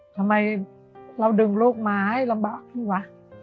ทำไมเราดึงลูกมาให้ลำบากพี่วะ